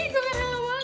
gue gak rela banget